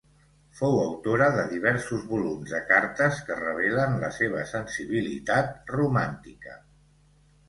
Fou autora de diversos volums de cartes que revelen la seva sensibilitat romàntica.